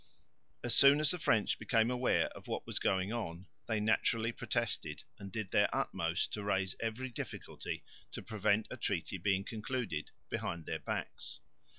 As soon as the French became aware of what was going on, they naturally protested and did their utmost to raise every difficulty to prevent a treaty being concluded behind their backs.